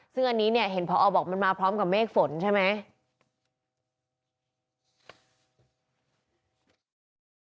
ซึ่งอันนี้เนี่ยเห็นพอบอกมันมาพร้อมกับเมฆฝนใช่ไหม